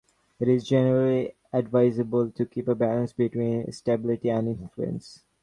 It is generally advisable to keep a balance between stability and influence.